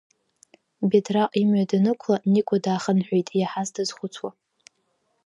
Бедраҟ имҩа данықәла, Никәа даахынҳәит, иаҳаз дазхәыцуа.